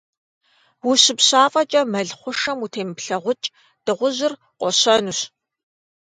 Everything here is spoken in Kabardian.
УщыпщафӀэкӀэ мэл хъушэм утемыплъэкъукӀ: Дыгъужьыр къощэнущ.